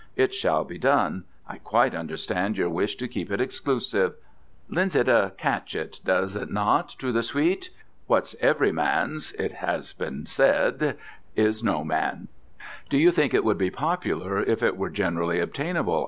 It shall be done. I quite understand your wish to keep it exclusive: lends a catchit, does it not, to the suite? What's every man's, it's been said, is no man's." "Do you think it would be popular if it were generally obtainable?"